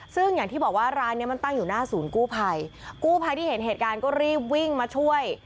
ซึ่งอย่างที่บอกว่าร้านเนี้ยมันตั้งอยู่หน้าศูนย์กู้ภัยกู้ภัยที่เห็นเหตุการณ์ก็รีบวิ่งมาช่วย